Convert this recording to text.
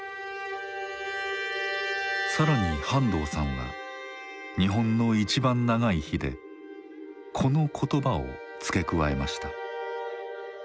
更に半藤さんは「日本のいちばん長い日」でこの言葉を付け加えました。